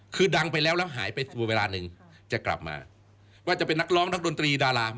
คือดังไปแล้วแล้วหายไปเวลาหนึ่งจะกลับมาว่าจะเป็นนักร้องนักดนตรีดาราม